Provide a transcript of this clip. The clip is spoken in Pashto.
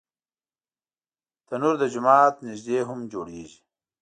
تنور د جومات نږدې هم جوړېږي